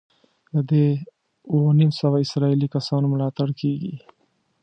د دې اووه نیم سوه اسرائیلي کسانو ملاتړ کېږي.